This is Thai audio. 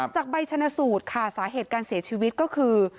จากใบชนะสูตรค่ะสาเหตุการเสียชีวิตก็คือ